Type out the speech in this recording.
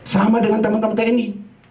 sama dengan teman teman tni